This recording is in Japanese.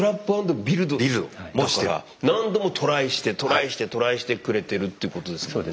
しかもだから何度もトライしてトライしてトライしてくれてるっていうことですもんね。